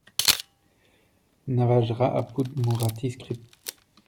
Navagera apud Muratori, Script.